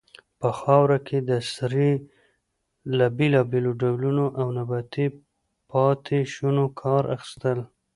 په خاوره کې د سرې له بیلابیلو ډولونو او نباتي پاتې شونو کار اخیستل.